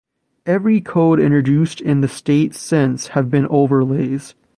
Every code introduced in the state since have been overlays.